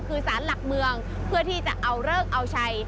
เพื่อที่จะเอาเลิกเอาชัย